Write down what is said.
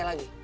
eh emang kamu